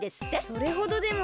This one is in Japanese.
それほどでも。